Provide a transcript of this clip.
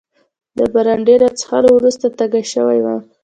د برانډي له څښلو وروسته تږی شوی وم.